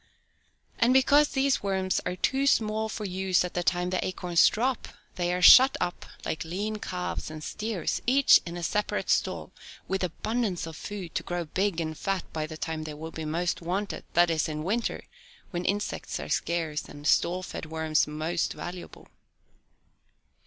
And because these worms are too small for use at the time the acorns drop, they are shut up like lean calves and steers, each in a separate stall, with abundance of food to grow big and fat by the time they will be the most wanted, that is, in winter, when insects are scarce and stall fed worms most valuable.